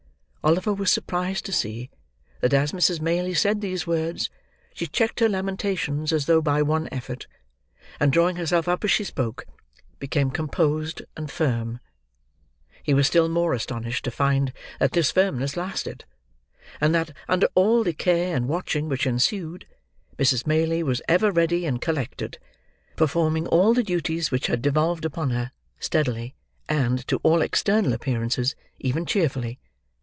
Oliver was surprised to see that as Mrs. Maylie said these words, she checked her lamentations as though by one effort; and drawing herself up as she spoke, became composed and firm. He was still more astonished to find that this firmness lasted; and that, under all the care and watching which ensued, Mrs. Maylie was ever ready and collected: performing all the duties which had devolved upon her, steadily, and, to all external appearances, even cheerfully.